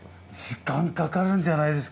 時間かかるんじゃないですか？